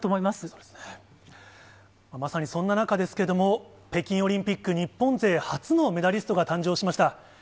まさにそんな中ですけれども、北京オリンピック、日本勢初のメダリストが誕生しました。